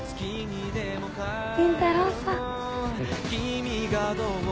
倫太郎さん。